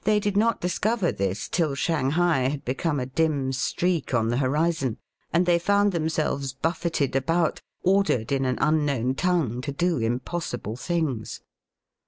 25 did not discover this till Shanghai had be come a dim streak on the horizon, and they found themselves buffeted about, ordered in an unknown tongue to do impossible things.